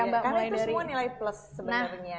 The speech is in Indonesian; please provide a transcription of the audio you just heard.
iya karena itu semua nilai plus sebenarnya